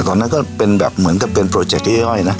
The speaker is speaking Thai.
ตอนนั้นก็เป็นแบบเหมือนกับเป็นโปรเจคย่อยนะ